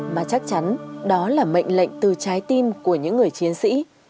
mà chắc chắn đó là mệnh lệnh từ trái tim của những người chiến sĩ